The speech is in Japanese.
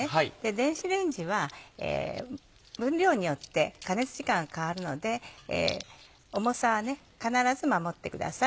電子レンジは分量によって加熱時間が変わるので重さは必ず守ってください。